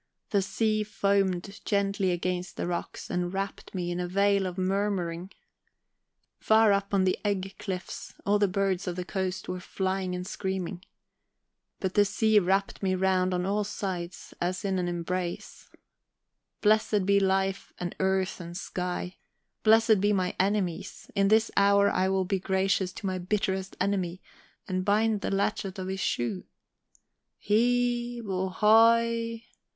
The sea foamed gently against the rocks and wrapped me in a veil of murmuring; far up on the egg cliffs, all the birds of the coast were flying and screaming. But the sea wrapped me round on all sides as in an embrace. Blessed be life and earth and sky, blessed be my enemies; in this hour I will be gracious to my bitterest enemy, and bind the latchet of his shoe... "_Hiv ... ohoi...